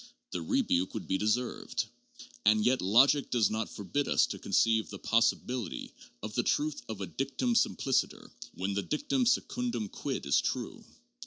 The rebuke would be deserved. And yet logic does not forbid us to conceive the possibility of the truth of a dictum simpliciter when the dictum secundum quid is true.